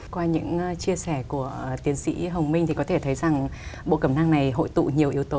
qua những chia sẻ của tiến sĩ hồng minh thì có thể thấy rằng bộ cẩm năng này hội tụ nhiều yếu tố